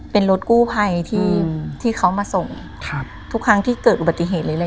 เป็นรถกู้ภัยที่ที่เขามาส่งครับทุกครั้งที่เกิดอุบัติเหตุหรืออะไร